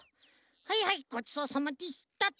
はいはいごちそうさまでしたと！